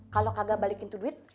kalau kagak balikin to duit